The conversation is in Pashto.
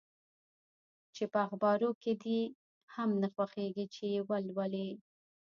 چي په اخبارو کي دي هم نه خوښیږي چي یې ولولې؟